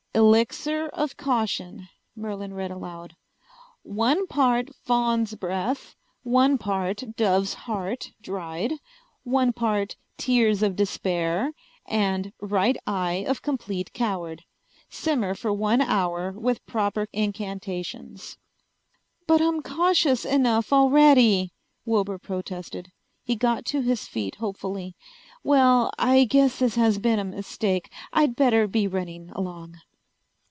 "Elixir of Caution," Merlin read aloud. "One part Fawn's Breath, one part Dove's Heart Dried, one part Tears of Despair, and Right Eye of Complete Coward. Simmer for one hour with proper incantations." "But I'm cautious enough already!" Wilbur protested. He got to his feet hopefully. "Well, I guess this has been a mistake. I'd better be running along."